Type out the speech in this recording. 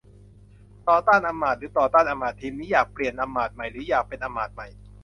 ต่อต้านอำมาตย์ หรือ ต่อต้านอำมาตย์ทีมนี้ อยากเปลี่ยนอำมาตย์ใหม่ หรืออยากเป็นอำมาตย์ใหม่